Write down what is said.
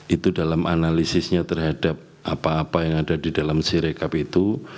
itu dalam analisisnya terhadap apa apa yang ada di dalam sirekap itu